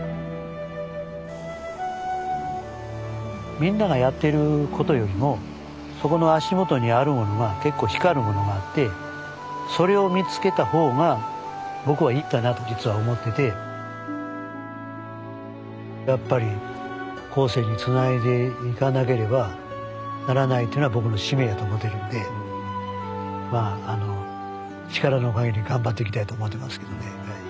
みんながやってることよりもそこの足元にあるものが結構光るものがあってそれを見つけた方が僕はいいかなと実は思っててやっぱり後世につないでいかなければならないっていうのが僕の使命やと思ってるんで力の限り頑張っていきたいと思ってますけどね。